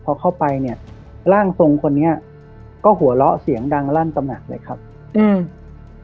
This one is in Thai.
พอเข้าไปเนี้ยร่างทรงคนนี้ก็หัวเราะเสียงดังลั่นตำหนักเลยครับอืม